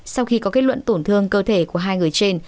sau khi có kết luận tổn thương cơ thể của hai người trên